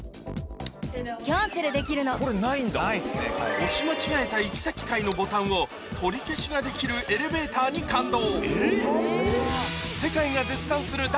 押し間違えた行き先階のボタンを取り消しができるエレベーターに感動